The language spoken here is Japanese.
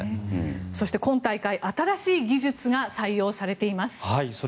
そして今大会新しい技術が採用されています。